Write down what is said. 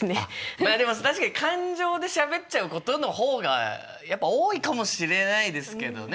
まあでも確かに感情でしゃべっちゃうことの方がやっぱ多いかもしれないですけどね。